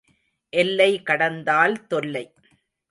எல்லை கடந்தால் தொல்லை.